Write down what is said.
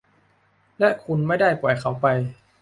และคุณไม่ได้ปล่อยเขาไป ?